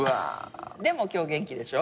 でも今日元気でしょ。